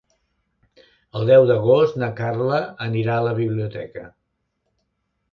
El deu d'agost na Carla anirà a la biblioteca.